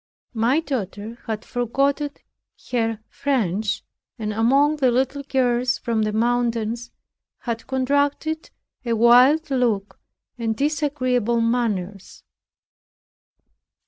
My daughter had forgotten her French, and among the little girls from the mountains had contracted a wild look and disagreeable manners.